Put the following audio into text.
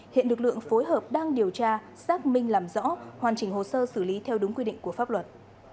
hiện lực lượng phối hợp đang điều tra xác minh làm rõ hoàn chỉnh hồ sơ xử lý theo đúng quy định của pháp luật